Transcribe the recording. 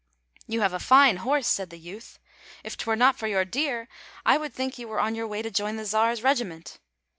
" You have a fine horse," said the youth. " If 'twere not for your deer I would think you were on your way to join the Czar's regiment."